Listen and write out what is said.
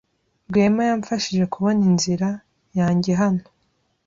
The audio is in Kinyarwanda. Rwema yamfashije kubona inzira yanjye hano.